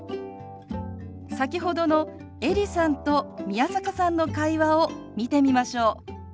先ほどのエリさんと宮坂さんの会話を見てみましょう。